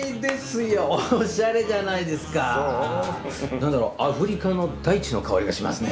何だろうアフリカの大地の香りがしますね。